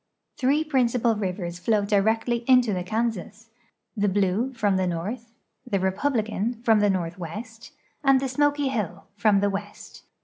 Three principal rivers flow directly into the Kansas ; the Blue, from the north ; the Republican, from the north\vest, and the Smoky Hill, from the west.